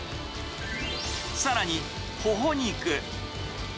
さらにホホ肉。